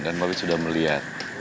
dan papi sudah melihat